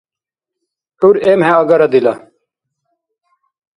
ГӀур эмхӀе агара дила.